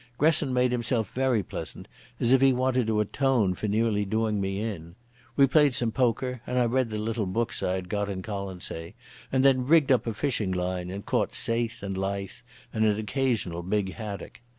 Gresson made himself very pleasant, as if he wanted to atone for nearly doing me in. We played some poker, and I read the little books I had got in Colonsay, and then rigged up a fishing line, and caught saithe and lythe and an occasional big haddock.